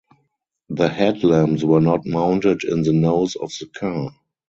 The headlamps were not mounted in the nose of the car.